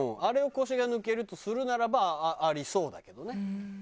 あれを「腰が抜ける」とするならばありそうだけどね。